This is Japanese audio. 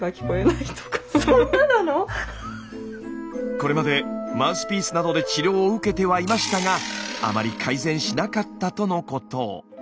これまでマウスピースなどで治療を受けてはいましたがあまり改善しなかったとのこと。